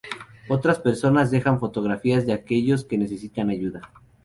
Otras personas dejan fotografías de aquellos que necesitan ayuda.